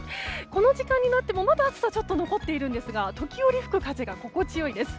この時間になってもまだ暑さちょっと残っているんですが時折吹く風が心地よいです。